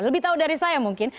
lebih tahu dari saya mungkin